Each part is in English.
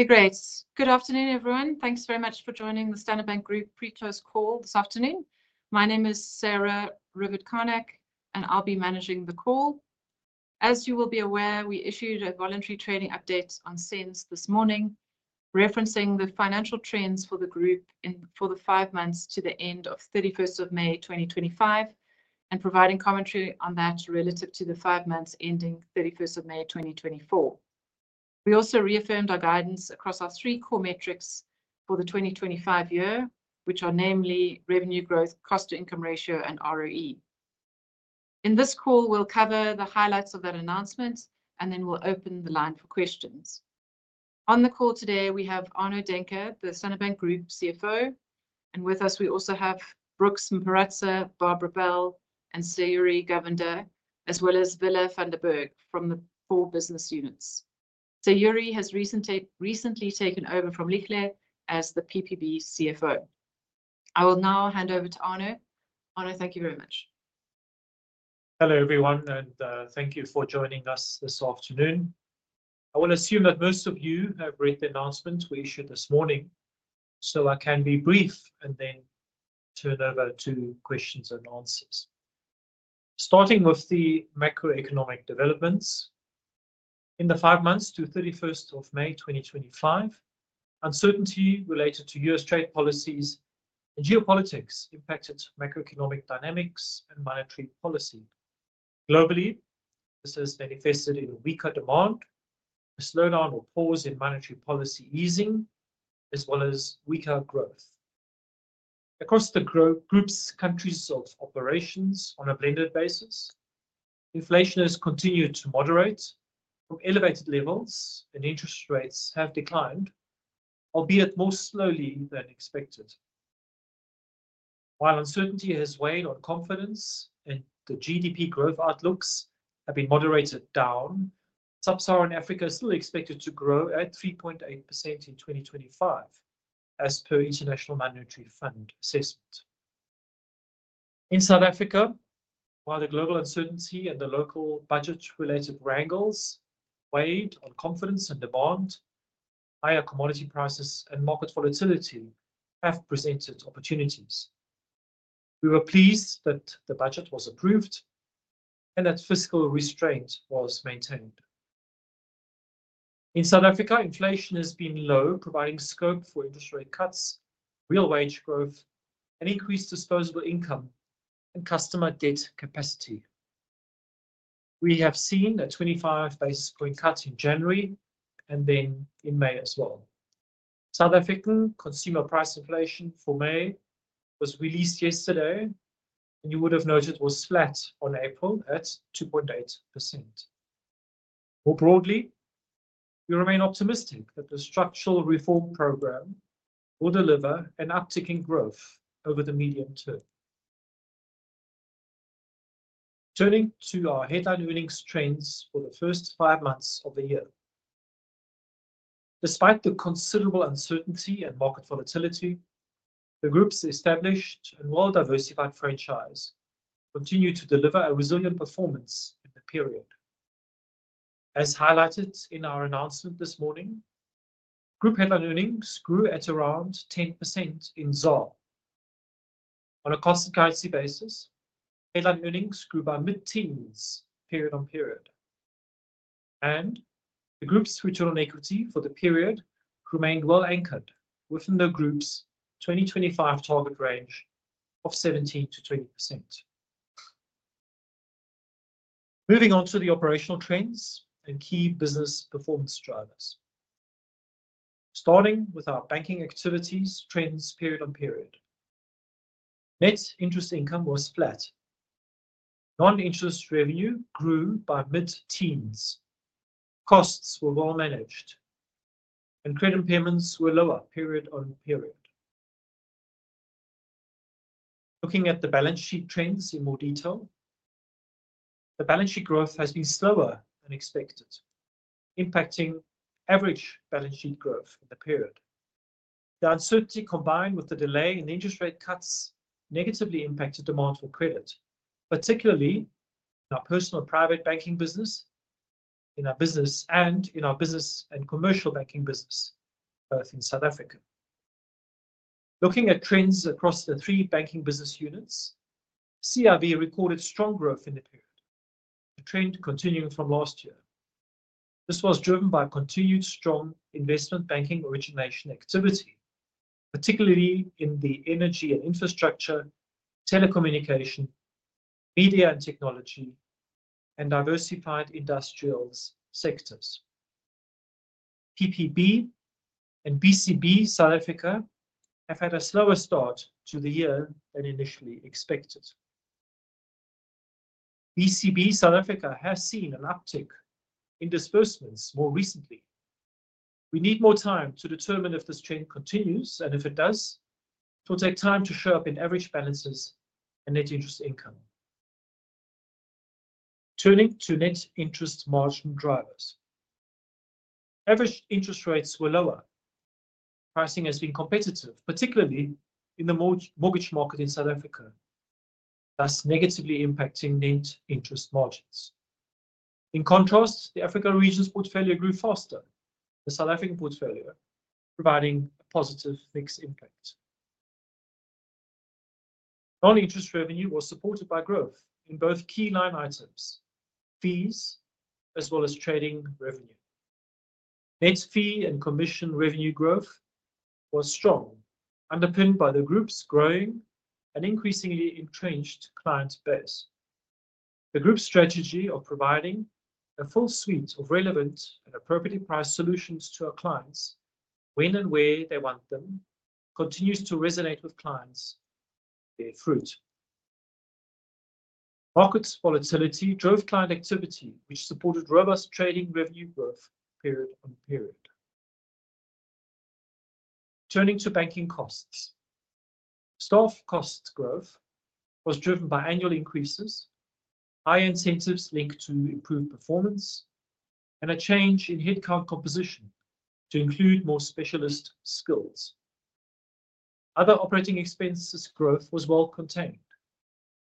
Okay, great. Good afternoon, everyone. Thanks very much for joining the Standard Bank Group Pre-Close Call this afternoon. My name is Sarah Rivett-Carnac, and I'll be managing the call. As you will be aware, we issued a voluntary trading update on SENS this morning, referencing the financial trends for the group for the five months to the end of 31 May 2025, and providing commentary on that relative to the five months ending 31 May 2024. We also reaffirmed our guidance across our three core metrics for the 2025 year, which are namely revenue growth, cost-to-income ratio, and ROE. In this call, we'll cover the highlights of that announcement, and then we'll open the line for questions. On the call today, we have Arno Daehnke, the Standard Bank Group CFO, and with us, we also have Brooks Mparutsa, Barbara Bell, and Sayuri Govender, as well as Villa Thunberg from the four business units. Sayuri has recently taken over from Lukle as the PPB CFO. I will now hand over to Arno. Arno, thank you very much. Hello, everyone, and thank you for joining us this afternoon. I will assume that most of you have read the announcement we issued this morning, so I can be brief and then turn over to questions and answers. Starting with the macroeconomic developments, in the five months to 31 May 2025, uncertainty related to U.S. trade policies and geopolitics impacted macroeconomic dynamics and monetary policy. Globally, this has manifested in weaker demand, a slowdown or pause in monetary policy easing, as well as weaker growth. Across the group's countries of operations on a blended basis, inflation has continued to moderate from elevated levels, and interest rates have declined, albeit more slowly than expected. While uncertainty has weighed on confidence and the GDP growth outlooks have been moderated down, sub-Saharan Africa is still expected to grow at 3.8% in 2025, as per International Monetary Fund assessment. In South Africa, while the global uncertainty and the local budget-related wrangles weighed on confidence and demand, higher commodity prices and market volatility have presented opportunities. We were pleased that the budget was approved and that fiscal restraint was maintained. In South Africa, inflation has been low, providing scope for interest rate cuts, real wage growth, and increased disposable income and customer debt capacity. We have seen a 25 basis point cut in January and then in May as well. South African consumer price inflation for May was released yesterday, and you would have noted was flat on April at 2.8%. More broadly, we remain optimistic that the structural reform program will deliver an uptick in growth over the medium term. Turning to our headline earnings trends for the first five months of the year, despite the considerable uncertainty and market volatility, the group's established and well-diversified franchise continued to deliver a resilient performance in the period. As highlighted in our announcement this morning, group headline earnings grew at around 10% in ZAR. On a cost-currency basis, headline earnings grew by mid-teens period on period, and the group's return on equity for the period remained well anchored within the group's 2025 target range of 17%-20%. Moving on to the operational trends and key business performance drivers, starting with our banking activities trends period on period. Net interest income was flat. Non-interest revenue grew by mid-teens. Costs were well managed, and credit impairments were lower period on period. Looking at the balance sheet trends in more detail, the balance sheet growth has been slower than expected, impacting average balance sheet growth in the period. The uncertainty combined with the delay in the interest rate cuts negatively impacted demand for credit, particularly in our personal private banking business, in our business, and in our business and commercial banking business, both in South Africa. Looking at trends across the three banking business units, CRV recorded strong growth in the period, a trend continuing from last year. This was driven by continued strong investment banking origination activity, particularly in the energy and infrastructure, telecommunication, media and technology, and diversified industrials sectors. PPB and BCB South Africa have had a slower start to the year than initially expected. BCB South Africa has seen an uptick in disbursements more recently. We need more time to determine if this trend continues, and if it does, it will take time to show up in average balances and net interest income. Turning to net interest margin drivers, average interest rates were lower. Pricing has been competitive, particularly in the mortgage market in South Africa, thus negatively impacting net interest margins. In contrast, the Africa region's portfolio grew faster than the South African portfolio, providing a positive fixed impact. Non-interest revenue was supported by growth in both key line items, fees, as well as trading revenue. Net fee and commission revenue growth was strong, underpinned by the group's growing and increasingly entrenched client base. The group's strategy of providing a full suite of relevant and appropriately priced solutions to our clients when and where they want them continues to resonate with clients to their fruit. Market volatility drove client activity, which supported robust trading revenue growth period on period. Turning to banking costs, staff cost growth was driven by annual increases, higher incentives linked to improved performance, and a change in headcount composition to include more specialist skills. Other operating expenses growth was well contained.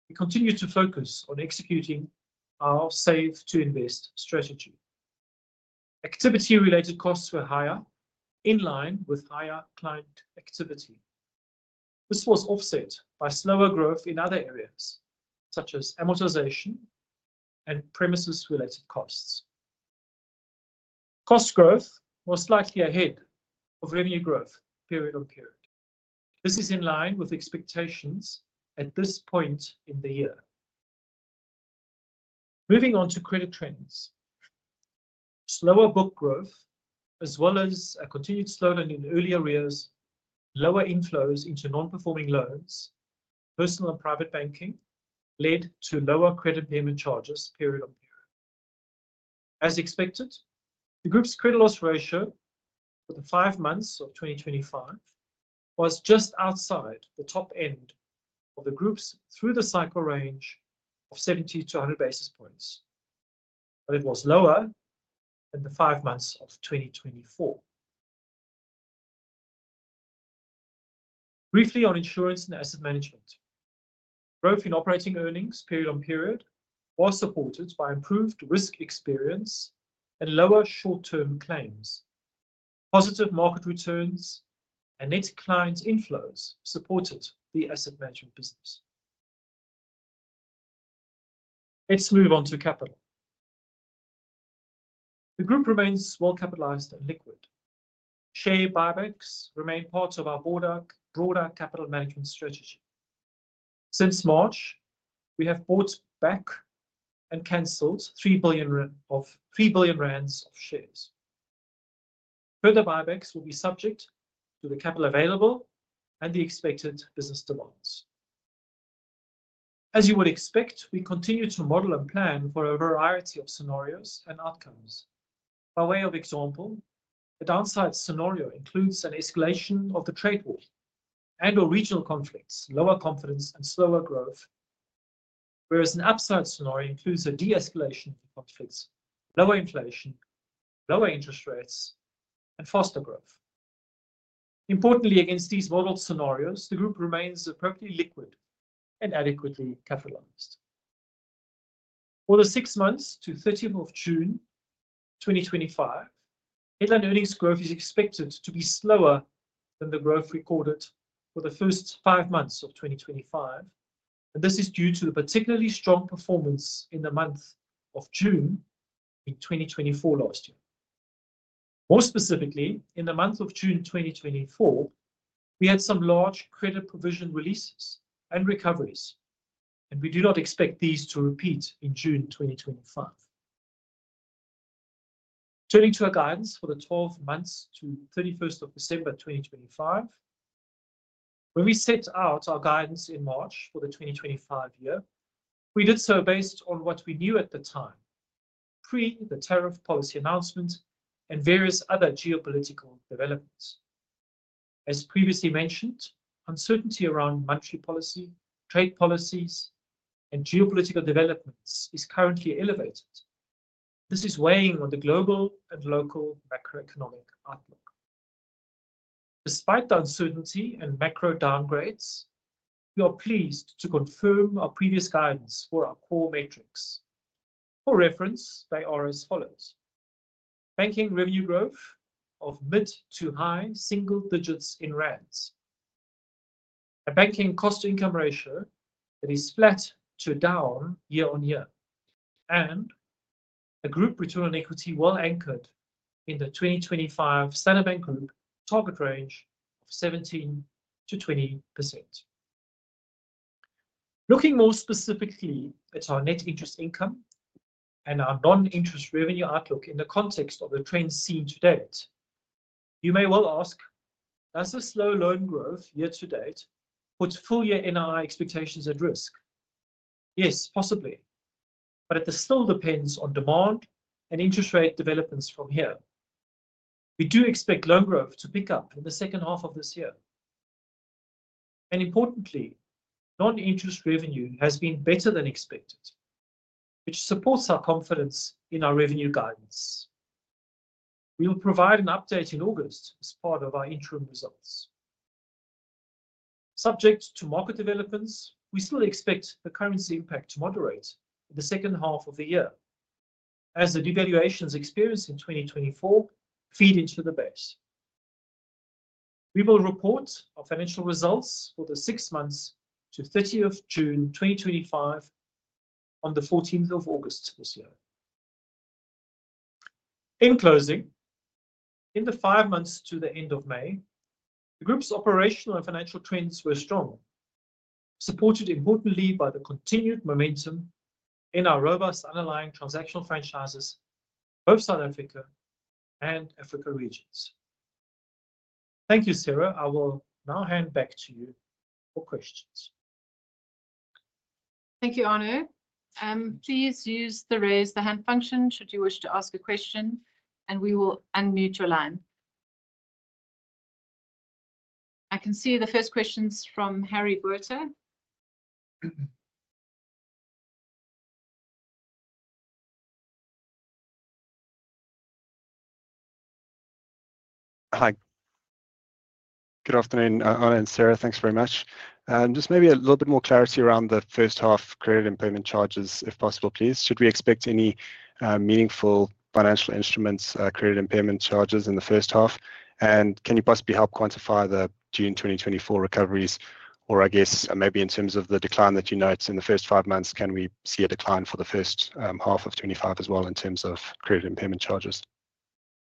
We continued to focus on executing our save-to-invest strategy. Activity-related costs were higher, in line with higher client activity. This was offset by slower growth in other areas, such as amortization and premises-related costs. Cost growth was slightly ahead of revenue growth period on period. This is in line with expectations at this point in the year. Moving on to credit trends, slower book growth, as well as a continued slowdown in earlier years, lower inflows into non-performing loans, personal and private banking led to lower credit payment charges period on period. As expected, the group's credit loss ratio for the five months of 2025 was just outside the top end of the group's through-the-cycle range of 70-100 basis points, but it was lower in the five months of 2024. Briefly on insurance and asset management, growth in operating earnings period on period was supported by improved risk experience and lower short-term claims. Positive market returns and net client inflows supported the asset management business. Let's move on to capital. The group remains well capitalized and liquid. Share buybacks remain part of our broader capital management strategy. Since March, we have bought back and canceled ZAR 3 billion of shares. Further buybacks will be subject to the capital available and the expected business demands. As you would expect, we continue to model and plan for a variety of scenarios and outcomes. By way of example, a downside scenario includes an escalation of the trade war and/or regional conflicts, lower confidence, and slower growth, whereas an upside scenario includes a de-escalation of the conflicts, lower inflation, lower interest rates, and faster growth. Importantly, against these model scenarios, the group remains appropriately liquid and adequately capitalized. For the six months to 30 June 2025, headline earnings growth is expected to be slower than the growth recorded for the first five months of 2025, and this is due to the particularly strong performance in the month of June in 2024 last year. More specifically, in the month of June 2024, we had some large credit provision releases and recoveries, and we do not expect these to repeat in June 2025. Turning to our guidance for the 12 months to 31 December 2025, when we set out our guidance in March for the 2025 year, we did so based on what we knew at the time pre-the tariff policy announcement and various other geopolitical developments. As previously mentioned, uncertainty around monetary policy, trade policies, and geopolitical developments is currently elevated. This is weighing on the global and local macroeconomic outlook. Despite the uncertainty and macro downgrades, we are pleased to confirm our previous guidance for our core metrics. For reference, they are as follows: banking revenue growth of mid to high single digits in ZAR, a banking cost-to-income ratio that is flat to down year on year, and a group return on equity well anchored in the 2025 Standard Bank Group target range of 17%-20%. Looking more specifically at our net interest income and our non-interest revenue outlook in the context of the trends seen to date, you may well ask, does this slow loan growth year to date put full year NII expectations at risk? Yes, possibly, but it still depends on demand and interest rate developments from here. We do expect loan growth to pick up in the second half of this year. Importantly, non-interest revenue has been better than expected, which supports our confidence in our revenue guidance. We will provide an update in August as part of our interim results. Subject to market developments, we still expect the currency impact to moderate in the second half of the year, as the devaluations experienced in 2024 feed into the base. We will report our financial results for the six months to 30 June 2025 on 14 August this year. In closing, in the five months to the end of May, the group's operational and financial trends were strong, supported importantly by the continued momentum in our robust underlying transactional franchises, both South Africa and Africa regions. Thank you, Sarah. I will now hand back to you for questions. Thank you, Arno. Please use the raise the hand function should you wish to ask a question, and we will unmute your line. I can see the first question is from Harry Buecher. Hi. Good afternoon, Arno and Sarah. Thanks very much. Just maybe a little bit more clarity around the first half credit impairment charges, if possible, please. Should we expect any meaningful financial instruments credit impairment charges in the first half? Can you possibly help quantify the June 2024 recoveries, or I guess maybe in terms of the decline that you noted in the first five months, can we see a decline for the first half of 2025 as well in terms of credit impairment charges?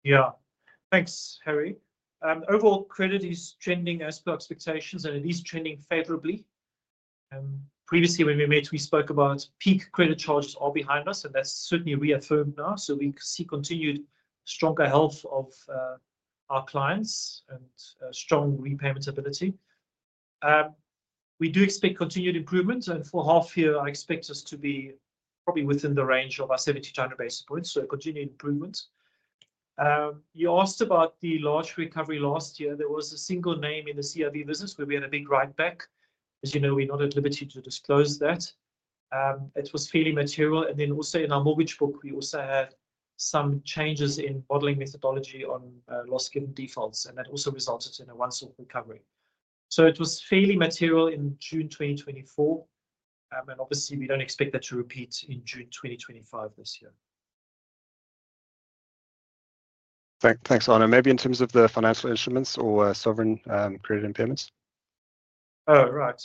Yeah, thanks, Harry. Overall, credit is trending as per expectations, and it is trending favorably. Previously, when we met, we spoke about peak credit charges all behind us, and that is certainly reaffirmed now. We see continued stronger health of our clients and strong repayment ability. We do expect continued improvement, and for half year, I expect us to be probably within the range of our 70-100 basis points, so continued improvement. You asked about the large recovery last year. There was a single name in the CRV business where we had a big write-back. As you know, we're not at liberty to disclose that. It was fairly material. In our mortgage book, we also had some changes in modeling methodology on loss-given defaults, and that also resulted in a one-shot recovery. It was fairly material in June 2024, and obviously, we don't expect that to repeat in June 2025 this year. Thanks, Arno. Maybe in terms of the financial instruments or sovereign credit impairments? Oh, right.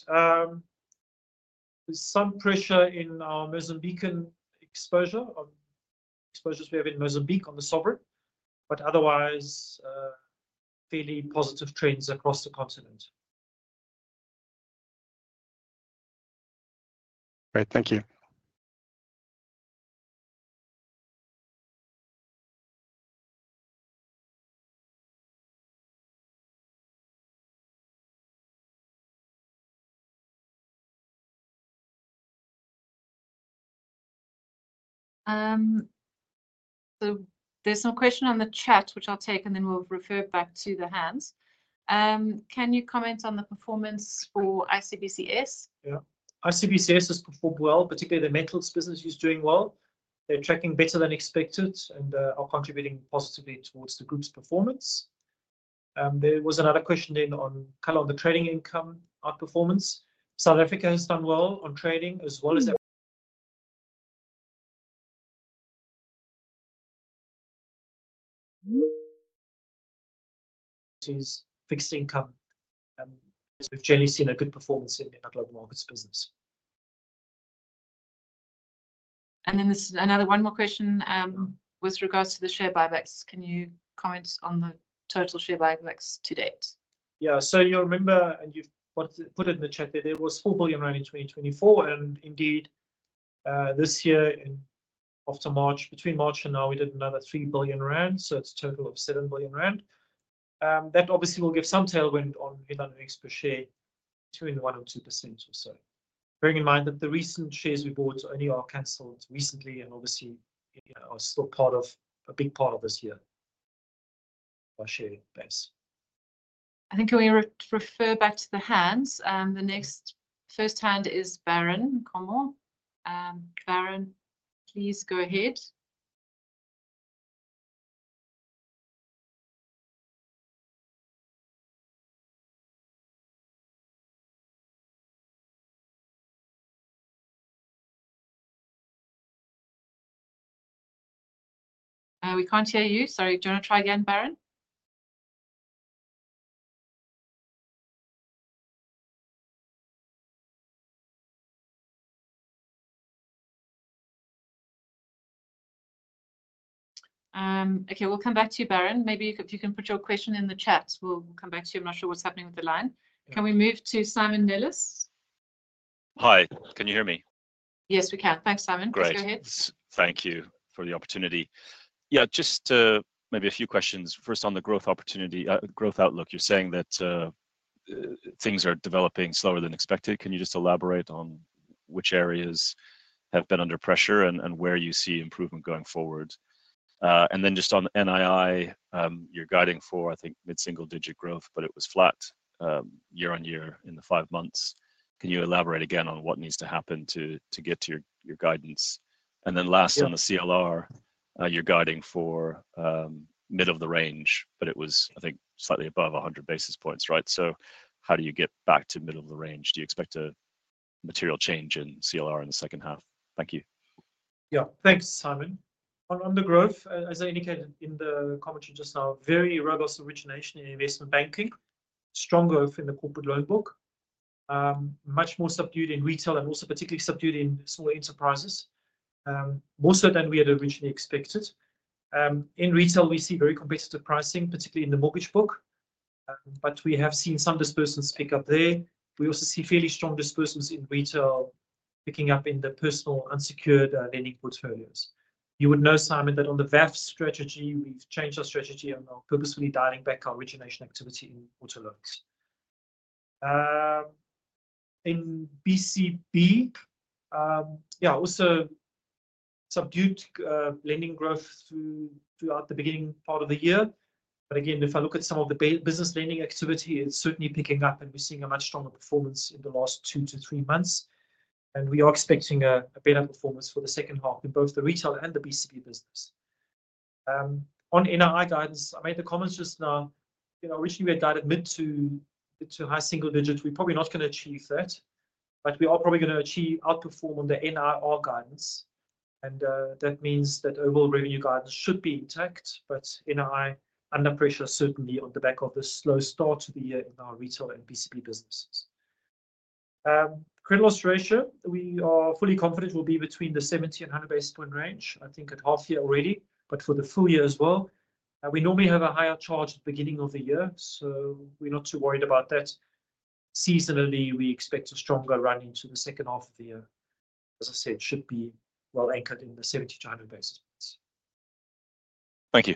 There's some pressure in our Mozambican exposure, exposures we have in Mozambique on the sovereign, but otherwise, fairly positive trends across the continent. Great. Thank you. There's no question on the chat, which I'll take, and then we'll refer back to the hands. Can you comment on the performance for ICBCS? Yeah. ICBCS has performed well, particularly the metals business is doing well. They're tracking better than expected and are contributing positively towards the group's performance. There was another question then on the trading income outperformance. South Africa has done well on trading as well as fixed income. We've generally seen a good performance in the underlying markets business. There is another one more question with regards to the share buybacks. Can you comment on the total share buybacks to date? Yeah. You'll remember, and you've put it in the chat there, there was 4 billion rand in 2024, and indeed, this year after March, between March and now, we did another 3 billion rand, so it's a total of 7 billion rand. That obviously will give some tailwind on headline earnings per share, between 1% and 2% or so. Bearing in mind that the recent shares we bought only are canceled recently, and obviously, are still part of a big part of this year, our share base. I think we refer back to the hands. The next first hand is Baron Nkomo. Baron, please go ahead. We cannot hear you. Sorry. Do you want to try again, Baron? Okay. We will come back to you, Baron. Maybe if you can put your question in the chat, we will come back to you. I am not sure what is happening with the line. Can we move to Simon Nellis? Hi. Can you hear me? Yes, we can. Thanks, Simon. Please go ahead. Great. Thank you for the opportunity. Yeah, just maybe a few questions. First, on the growth outlook, you are saying that things are developing slower than expected. Can you just elaborate on which areas have been under pressure and where you see improvement going forward? Then just on NII, you're guiding for, I think, mid-single digit growth, but it was flat year on year in the five months. Can you elaborate again on what needs to happen to get to your guidance? Then last, on the CLR, you're guiding for mid of the range, but it was, I think, slightly above 100 basis points, right? How do you get back to mid of the range? Do you expect a material change in CLR in the second half? Thank you. Yeah. Thanks, Simon. On the growth, as I indicated in the commentary just now, very robust origination in investment banking, strong growth in the corporate loan book, much more subdued in retail and also particularly subdued in small enterprises, more so than we had originally expected. In retail, we see very competitive pricing, particularly in the mortgage book, but we have seen some dispersions pick up there. We also see fairly strong dispersions in retail picking up in the personal unsecured lending portfolios. You would know, Simon, that on the VAF strategy, we've changed our strategy and are purposefully dialing back our origination activity in auto loans. In BCB, yeah, also subdued lending growth throughout the beginning part of the year. Again, if I look at some of the business lending activity, it's certainly picking up, and we're seeing a much stronger performance in the last two to three months. We are expecting a better performance for the second half in both the retail and the BCB business. On NII guidance, I made the comments just now. Originally, we had guided mid to high single digits. We are probably not going to achieve that, but we are probably going to outperform on the NIR guidance. That means that overall revenue guidance should be intact, but NII under pressure certainly on the back of the slow start to the year in our retail and BCB businesses. Credit loss ratio, we are fully confident will be between the 70 and 100 basis point range, I think, at half year already, but for the full year as well. We normally have a higher charge at the beginning of the year, so we are not too worried about that. Seasonally, we expect a stronger run into the second half of the year. As I said, it should be well anchored in the 70-100 basis points. Thank you.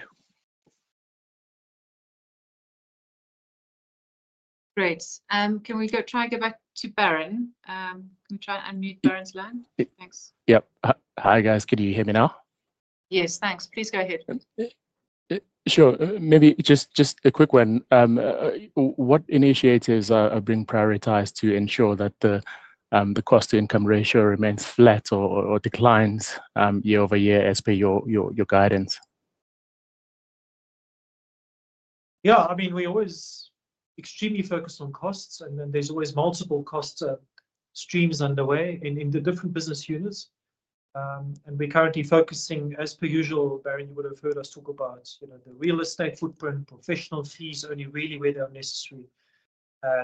Great. Can we try and go back to Baron? Can we try and unmute Baron's line? Thanks. Yeah. Hi, guys. Can you hear me now? Yes, thanks. Please go ahead. Sure. Maybe just a quick one. What initiatives are being prioritized to ensure that the cost-to-income ratio remains flat or declines year over year as per your guidance? Yeah. I mean, we're always extremely focused on costs, and then there's always multiple cost streams underway in the different business units. We're currently focusing, as per usual, Baron, you would have heard us talk about the real estate footprint, professional fees, only really where they're necessary,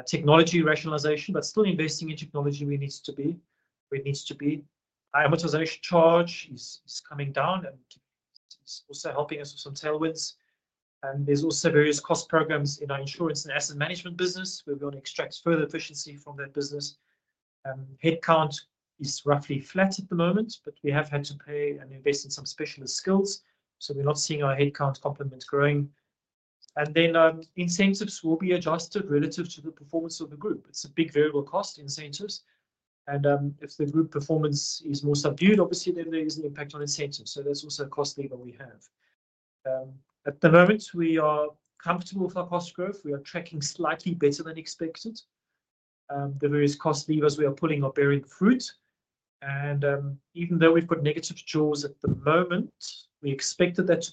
technology rationalization, but still investing in technology where it needs to be. It needs to be. Our amortization charge is coming down, and it is also helping us with some tailwinds. There are also various cost programs in our insurance and asset management business where we want to extract further efficiency from that business. Headcount is roughly flat at the moment, but we have had to pay and invest in some specialist skills, so we are not seeing our headcount complement growing. Incentives will be adjusted relative to the performance of the group. It is a big variable cost, incentives. If the group performance is more subdued, obviously, then there is an impact on incentives. That is also a cost lever we have. At the moment, we are comfortable with our cost growth. We are tracking slightly better than expected. The various cost levers we are pulling are bearing fruit. Even though we've got negative draws at the moment, we expected that to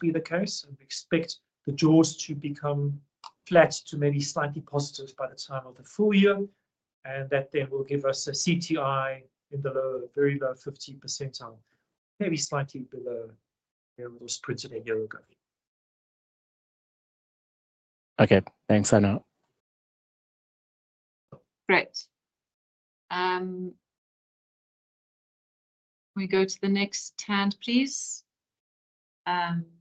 be the case. We expect the draws to become flat to maybe slightly positive by the time of the full year, and that then will give us a CTI in the very low 50 percentile, maybe slightly below where we were a year ago. Okay. Thanks, Arno. Great. Can we go to the next hand, please? Can we unmute the hand? Afternoon.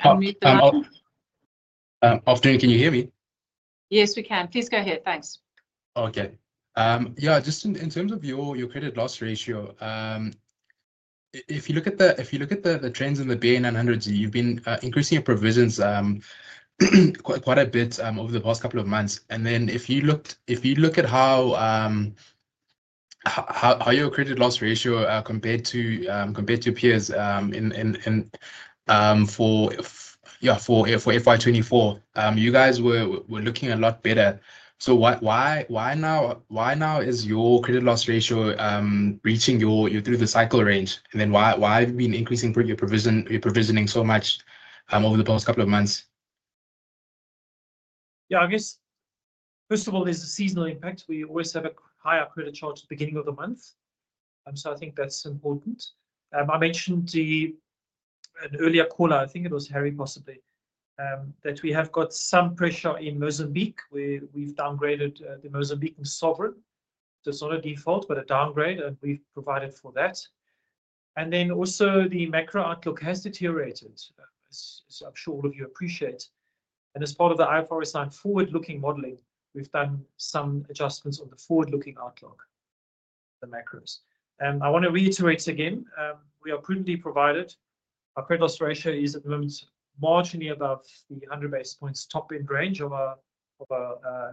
Can you hear me? Yes, we can. Please go ahead. Thanks. Okay. Yeah. Just in terms of your credit loss ratio, if you look at the trends in the Bayer 900s, you've been increasing your provisions quite a bit over the past couple of months. And then if you look at how your credit loss ratio compared to your peers for FY2024, you guys were looking a lot better. Why now is your credit loss ratio reaching through the cycle range? Why have you been increasing your provisioning so much over the past couple of months? Yeah. I guess, first of all, there is a seasonal impact. We always have a higher credit charge at the beginning of the month. I think that is important. I mentioned to an earlier caller, I think it was Harry, possibly, that we have got some pressure in Mozambique. We have downgraded the Mozambican sovereign. It is not a default, but a downgrade, and we have provided for that. Also, the macro outlook has deteriorated, as I am sure all of you appreciate. As part of the IFRS 9 forward-looking modeling, we have done some adjustments on the forward-looking outlook, the macros. I want to reiterate again, we are prudently provided. Our credit loss ratio is at the moment marginally above the 100 basis points top-end range of our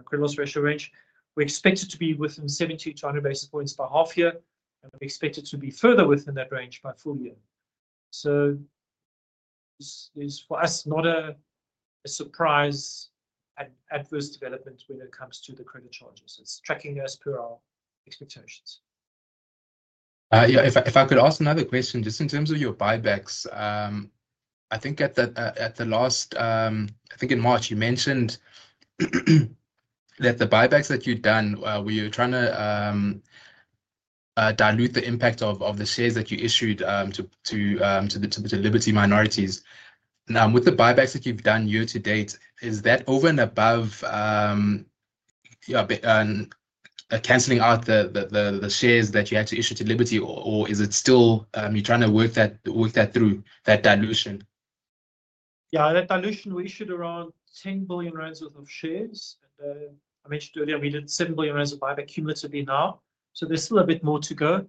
credit loss ratio range. We expect it to be within 70-100 basis points by half year, and we expect it to be further within that range by full year. It is, for us, not a surprise adverse development when it comes to the credit charges. It is tracking as per our expectations. Yeah. If I could ask another question, just in terms of your buybacks, I think at the last, I think in March, you mentioned that the buybacks that you have done, where you are trying to dilute the impact of the shares that you issued to the Liberty minorities. Now, with the buybacks that you've done year to date, is that over and above canceling out the shares that you had to issue to Liberty, or is it still you're trying to work that through, that dilution? Yeah. That dilution, we issued around 10 billion rand worth of shares. I mentioned earlier we did 7 billion rand of buyback cumulatively now, so there's still a bit more to go.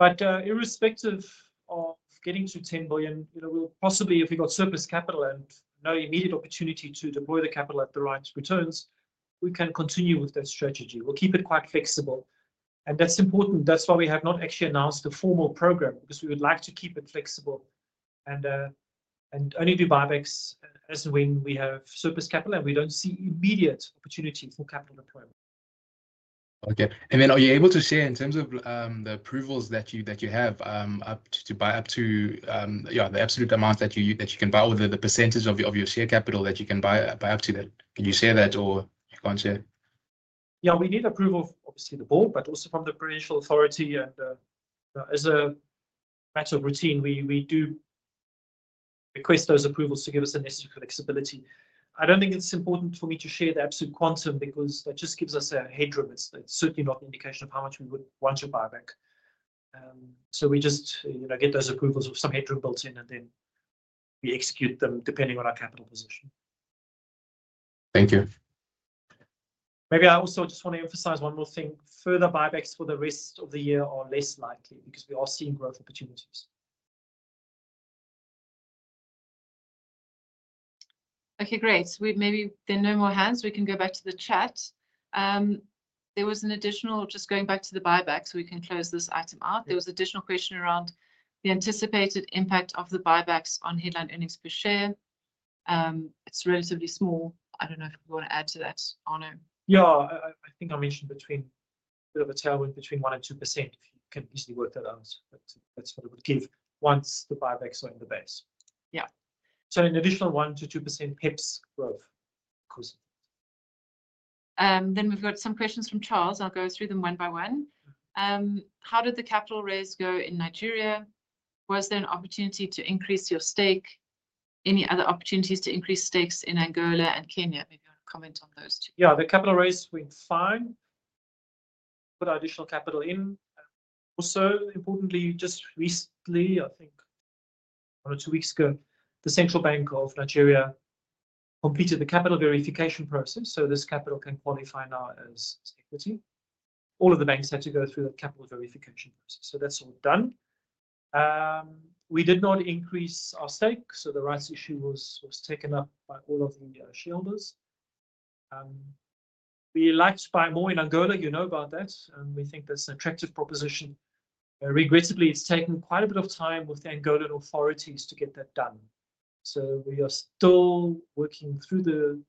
Irrespective of getting to 10 billion, we'll possibly, if we've got surplus capital and no immediate opportunity to deploy the capital at the right returns, we can continue with that strategy. We'll keep it quite flexible. That is important. That is why we have not actually announced a formal program, because we would like to keep it flexible and only do buybacks as and when we have surplus capital and we do not see immediate opportunity for capital deployment. Okay. Are you able to share in terms of the approvals that you have to buy up to the absolute amount that you can buy, or the percentage of your share capital that you can buy up to that? Can you share that or you cannot share? Yeah. We need approval, obviously, of the board, but also from the provincial authority. As a matter of routine, we do request those approvals to give us extra flexibility. I do not think it is important for me to share the absolute quantum because that just gives us a headroom. It is certainly not an indication of how much we would want to buy back. We just get those approvals with some headroom built in, and then we execute them depending on our capital position. Thank you. Maybe I also just want to emphasize one more thing. Further buybacks for the rest of the year are less likely because we are seeing growth opportunities. Okay. Great. Maybe there are no more hands. We can go back to the chat. There was an additional, just going back to the buybacks, we can close this item out. There was an additional question around the anticipated impact of the buybacks on headline earnings per share. It's relatively small. I don't know if you want to add to that, Arno. Yeah. I think I mentioned a bit of a tailwind between 1% and 2%. You can easily work that out. That's what it would give once the buybacks are in the base. Yeah. So an additional 1%-2% HEPS growth, of course. Then we've got some questions from Charles. I'll go through them one by one. How did the capital raise go in Nigeria? Was there an opportunity to increase your stake? Any other opportunities to increase stakes in Angola and Kenya? Maybe you want to comment on those two. Yeah. The capital raise went fine. Put our additional capital in. Also, importantly, just recently, I think one or two weeks ago, the Central Bank of Nigeria completed the capital verification process. So this capital can qualify now as equity. All of the banks had to go through the capital verification process. So that's all done. We did not increase our stake. So the rights issue was taken up by all of the shareholders. We like to buy more in Angola. You know about that. And we think that's an attractive proposition. Regrettably, it's taken quite a bit of time with the Angolan authorities to get that done. We are still working through the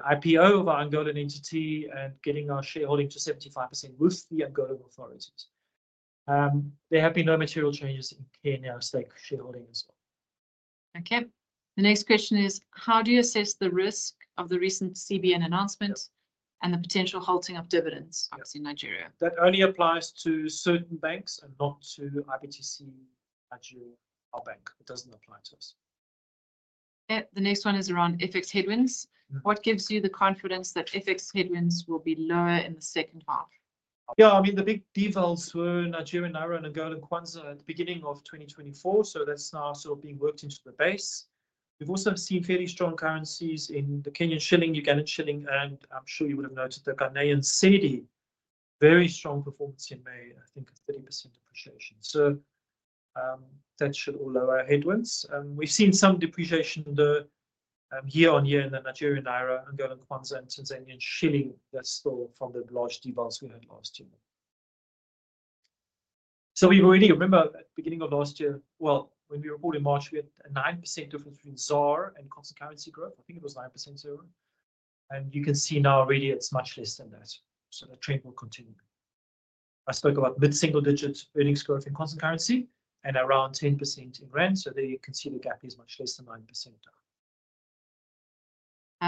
IPO of our Angolan entity and getting our shareholding to 75% with the Angolan authorities. There have been no material changes in Kenya's stake shareholding as well. Okay. The next question is, how do you assess the risk of the recent CBN announcement and the potential halting of dividends in Nigeria? That only applies to certain banks and not to IBTC, Aju, or Bank. It does not apply to us. The next one is around FX headwinds. What gives you the confidence that FX headwinds will be lower in the second half? Yeah. I mean, the big devaluations were Nigeria, Naira, and Angola and Kwanza at the beginning of 2024. That is now sort of being worked into the base. We've also seen fairly strong currencies in the Kenyan shilling, Ugandan shilling, and I'm sure you would have noticed the Ghanaian cedi, very strong performance in May, I think, of 30% depreciation. That should allow our headwinds. We've seen some depreciation year on year in the Nigerian naira, Angolan kwanza, and Tanzanian shilling that's still from the large devaluations we had last year. Remember, at the beginning of last year, when we reported March, we had a 9% difference between ZAR and constant currency growth. I think it was 9% ZAR. You can see now already it's much less than that. The trend will continue. I spoke about mid-single digit earnings growth in constant currency and around 10% in rand. There you can see the gap is much less than 9%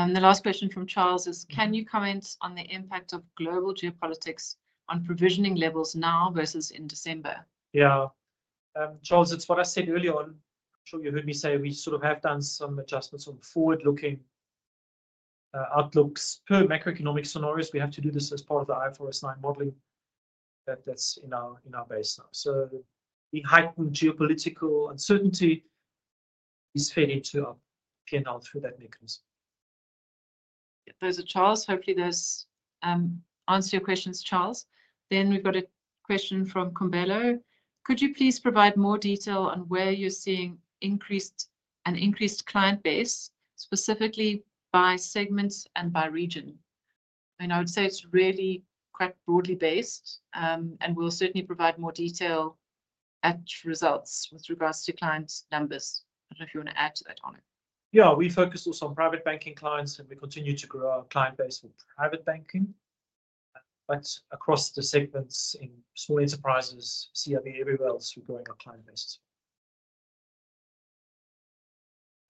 now. The last question from Charles is, can you comment on the impact of global geopolitics on provisioning levels now versus in December? Yeah. Charles, it's what I said earlier on. I'm sure you heard me say we sort of have done some adjustments on forward-looking outlooks per macroeconomic scenarios. We have to do this as part of the IFRS 9 modeling that's in our base now. The heightened geopolitical uncertainty is fading to a pin out through that mechanism. Those are Charles. Hopefully, those answer your questions, Charles. We have a question from Kumbelo. Could you please provide more detail on where you're seeing an increased client base, specifically by segment and by region? I would say it's really quite broadly based. We will certainly provide more detail at results with regards to client numbers. I don't know if you want to add to that, Arno. Yeah. We focus also on private banking clients, and we continue to grow our client base for private banking. Across the segments in small enterprises, CRV, everywhere else, we are growing our client base.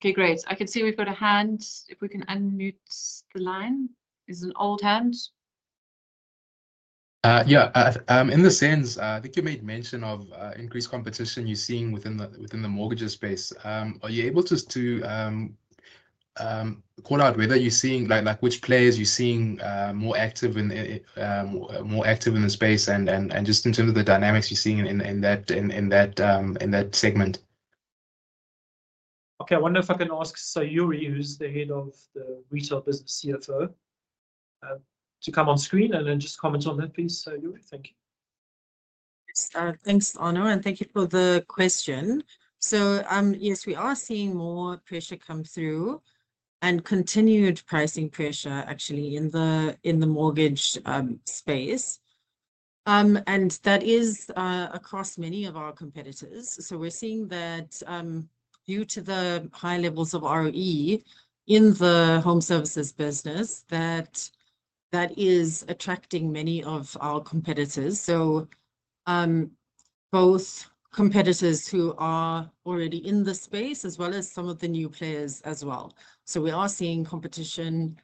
Okay. Great. I can see we have a hand. If we can unmute the line, is it an old hand? Yeah. In the sense, I think you made mention of increased competition you are seeing within the mortgages space. Are you able just to call out whether you are seeing which players you are seeing more active in the space and just in terms of the dynamics you are seeing in that segment? Okay. I wonder if I can ask Sayuri, who is the head of the retail business CFO, to come on screen and then just comment on that, please. Sayuri, thank you. Thanks, Arno. Thank you for the question. Yes, we are seeing more pressure come through and continued pricing pressure, actually, in the mortgage space. That is across many of our competitors. We are seeing that due to the high levels of ROE in the home services business, that is attracting many of our competitors. Both competitors who are already in the space as well as some of the new players as well. We are seeing competition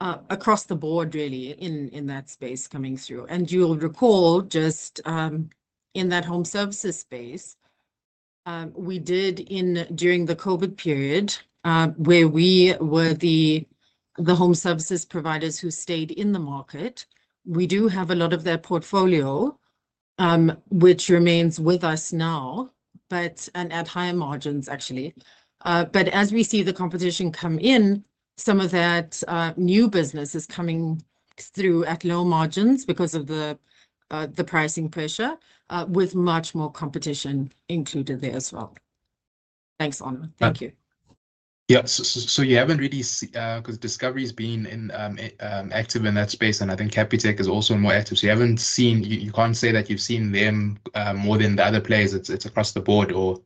across the board, really, in that space coming through. You will recall just in that home services space, we did during the COVID period where we were the home services providers who stayed in the market. We do have a lot of their portfolio, which remains with us now, but at higher margins, actually. As we see the competition come in, some of that new business is coming through at low margins because of the pricing pressure with much more competition included there as well. Thanks, Arno. Thank you. Yeah. You have not really because Discovery has been active in that space, and I think Capitec is also more active. You have not seen you cannot say that you have seen them more than the other players. It is across the board or?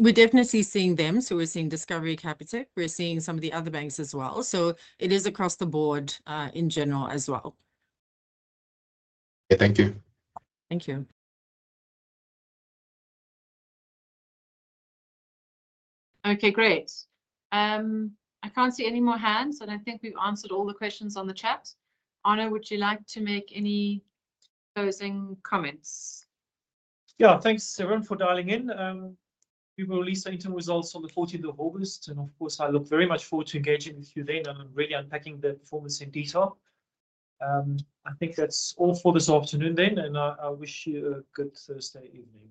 We are definitely seeing them. We are seeing Discovery, Capitec. We are seeing some of the other banks as well. It is across the board in general as well. Yeah. Thank you. Thank you. Okay. Great. I cannot see any more hands, and I think we have answered all the questions on the chat. Arno, would you like to make any closing comments? Yeah. Thanks, everyone, for dialing in. We will release interim results on the 14th of August. Of course, I look very much forward to engaging with you then and really unpacking the performance in detail. I think that's all for this afternoon then, and I wish you a good Thursday evening.